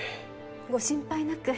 ご心配なく。